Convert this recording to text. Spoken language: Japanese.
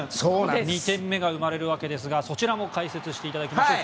２点目が生まれるわけですがそちらも解説していただきましょう。